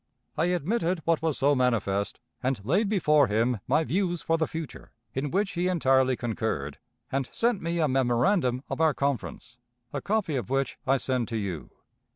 I admitted what was so manifest, and laid before him my views for the future, in which he entirely concurred, and sent me a memorandum of our conference, a copy of which I send to you.